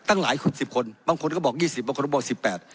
ตั้งหลายคนสิบคนบางคนก็บอกยี่สิบบางคนก็บอกสิบแปด